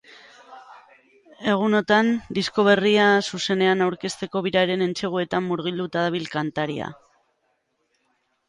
Egunotan, disko berria zuzenean aurkezteko biraren entseguetan mugilduta dabil kantaria.